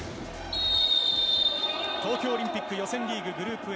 東京オリンピック予選リーググループＡ